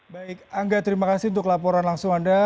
baik angga terima kasih untuk laporan langsung anda